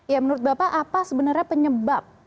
ya menurut bapak apa sebenarnya penyebab